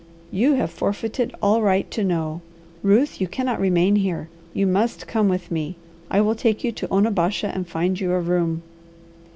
"You have forfeited all right to know. Ruth, you cannot remain here. You must come with me. I will take you to Onabasha and find you a room."